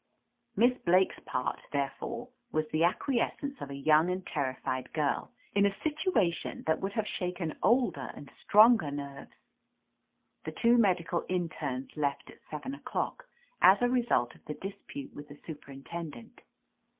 Miss Blake's part, there fore, was the acquiescence of a young and terrified girl, in a situation that would have shaken older and stronger nerves. "The two medical internes left at seven o'clock, as a result of the dispute with the su perintendent.